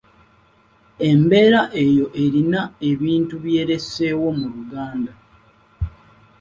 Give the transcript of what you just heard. Embeera eyo erina ebintu by’ereseewo mu Luganda